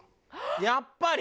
やっぱり！